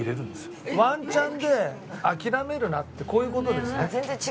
ワンチャンで諦めるなってこういう事ですね。